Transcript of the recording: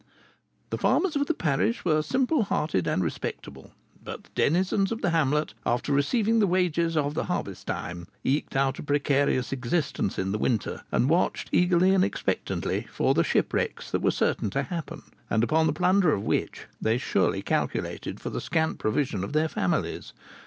"The farmers of the parish were simple hearted and respectable; but the denizens of the hamlet, after receiving the wages of the harvest time, eked out a precarious existence in the winter, and watched eagerly and expectantly for the shipwrecks that were certain to happen, and upon the plunder of which they surely calculated for the scant provision of their families.